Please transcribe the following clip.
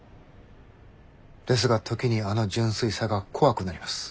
ですが時にあの純粋さが怖くなります。